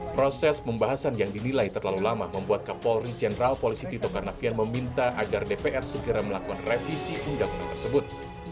proses pembahasan yang dinilai terlalu lama membuat kapolri jenderal polisi tito karnavian meminta agar dpr segera melakukan revisi undang undang tersebut